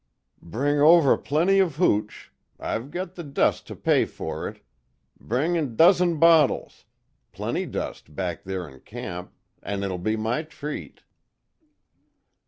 Bring over plenty of hooch I've got the dust to pay for it bring dozen bottles plenty dust back there in camp an' it'll be my treat."